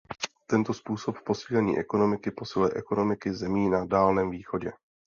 Tento způsob posílení ekonomiky posiluje ekonomiky zemí na Dálném východě.